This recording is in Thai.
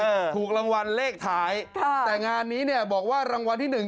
ถูกรางวัลเลขท้ายค่ะแต่งานนี้เนี่ยบอกว่ารางวัลที่หนึ่ง